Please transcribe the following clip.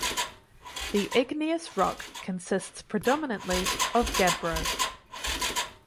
The igneous rock consists predominantly of gabbro.